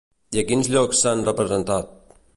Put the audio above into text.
I a quins llocs s'han representat?